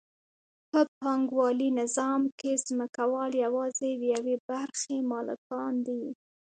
په پانګوالي نظام کې ځمکوال یوازې د یوې برخې مالکان دي